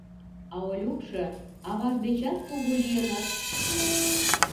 А Олюкшо аваж дечат кугу лийыныс!